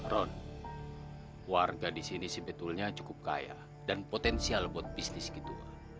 ron warga di sini sebetulnya cukup kaya dan potensial buat bisnis gitu